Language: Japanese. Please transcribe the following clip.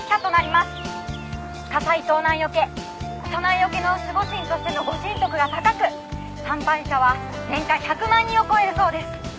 火災盗難よけ諸難よけの守護神としての御神徳が高く参拝者は年間１００万人を超えるそうです。